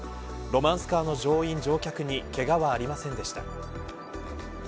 ロマンスカーの乗員、乗客にけがはありませんでした。